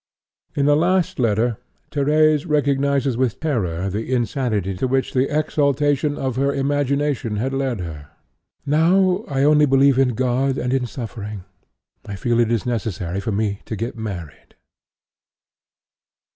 In a last letter Thérèse recognizes with terror the insanity to which the exaltation of her imagination had led her. 'Now I only believe in God and in suffering; I feel that it is necessary for me to get married.'"